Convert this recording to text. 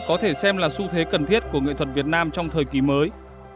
có thể xem là xu thế cần thiết của nghệ thuật việt nam trong thời kỳ mới